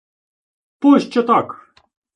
— Пощо так?